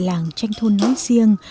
tại làng tranh thôn nói riêng